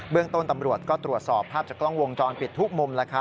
เรื่องต้นตำรวจก็ตรวจสอบภาพจากกล้องวงจรปิดทุกมุม